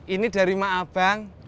ini dari mak abang